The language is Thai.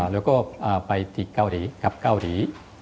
แล้วก็ไปกลับก็อดี